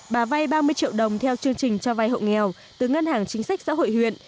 bà vay ba mươi triệu đồng theo chương trình cho vay hộ nghèo từ ngân hàng chính sách xã hội huyện